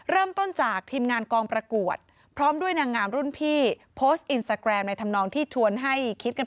เริ่มต้นจากทีมงานกองประกวด